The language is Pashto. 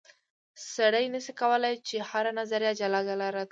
سړی نه سي کولای چې هر نظر جلا جلا رد کړي.